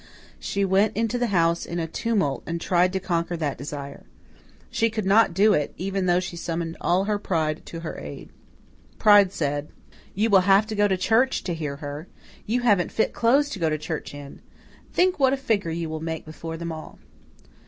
She went into the house in a tumult and tried to conquer that desire. She could not do it, even thought she summoned all her pride to her aid. Pride said: "You will have to go to church to hear her. You haven't fit clothes to go to church in. Think what a figure you will make before them all."